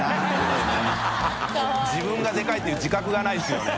でかいっていう自覚がないですよね。